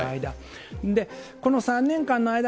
この３年間の間。